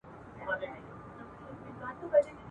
نه د چا په لویو خونو کي غټیږو !.